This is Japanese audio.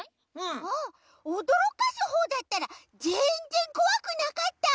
あっおどろかすほうだったらぜんぜんこわくなかった！